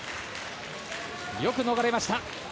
よく逃れました。